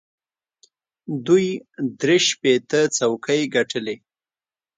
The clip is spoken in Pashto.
دوی شپېته درې څوکۍ ګټلې.